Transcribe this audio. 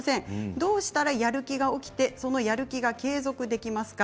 どうしたら、やる気が起きてそのやる気が継続できますか。